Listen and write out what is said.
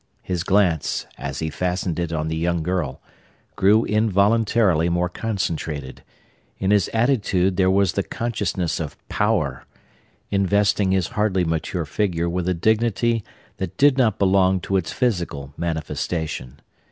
His glance, as he fastened it on the young girl, grew involuntarily more concentrated; in his attitude there was the consciousness of power, investing his hardly mature figure with a dignity that did not belong to its physical manifestation.